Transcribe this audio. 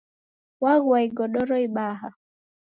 Waghua igodoro ibaha.